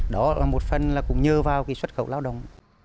đó là một phần là cũng nhờ vào cái xuất khẩu lao động